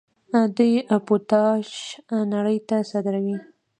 دوی پوټاش نړۍ ته صادروي.